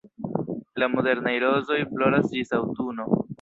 La modernaj rozoj floras ĝis aŭtuno.